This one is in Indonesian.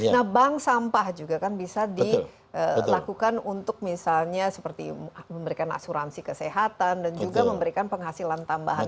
nah bank sampah juga kan bisa dilakukan untuk misalnya seperti memberikan asuransi kesehatan dan juga memberikan penghasilan tambahan